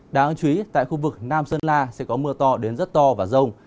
đáng lưu ý tại khu vực nam sơn la sẽ có mưa to đến rất to và rồng